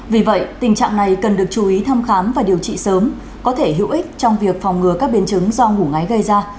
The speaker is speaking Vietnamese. vì vậy tình trạng này cần được chú ý thăm khám và điều trị sớm có thể hữu ích trong việc phòng ngừa các biến chứng do ngủ ngáy gây ra